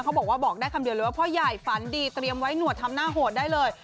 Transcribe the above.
เขาบอกบอกได้คำเดียวเลยว่าพ่อใหญ่ฝันดีเตรียมไว้หนวดทำหน้าโหดได้เลย